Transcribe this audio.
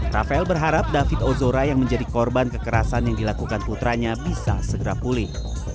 rafael berharap david ozora yang menjadi korban kekerasan yang dilakukan putranya bisa segera pulih